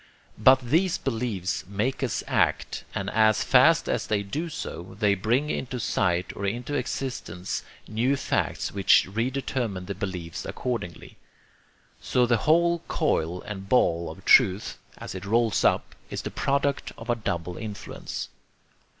But these beliefs make us act, and as fast as they do so, they bring into sight or into existence new facts which re determine the beliefs accordingly. So the whole coil and ball of truth, as it rolls up, is the product of a double influence.